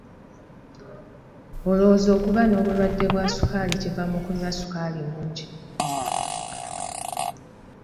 Olowooza okuba n'obulwadde bwa ssukaali kiva mu kunywa ssukaali mungi.